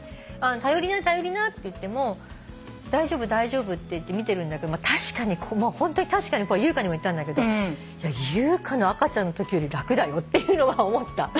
頼りな頼りなって言っても「大丈夫大丈夫」って言って見てるんだけど確かに優香にも言ったんだけど優香の赤ちゃんのときより楽だよっていうのは思った。